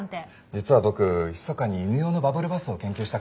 実は僕ひそかに犬用のバブルバスを研究したくて。